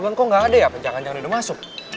lu kan kok gak ada ya jangan jangan udah masuk